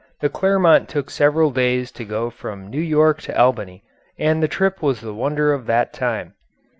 The Clermont took several days to go from New York to Albany, and the trip was the wonder of that time.